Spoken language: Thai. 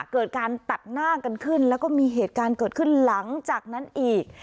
เกิดการตัดหน้ากันขึ้นแล้วก็มีเหตุการณ์เกิดขึ้นหลังจากนั้นอีก